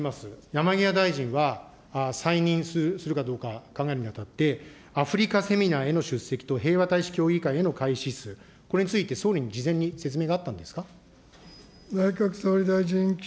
山際大臣は再任するかどうか考えるにあたって、アフリカセミナーへの出席と平和大使協議会への、これについて、総理に事前に説明があったんですか。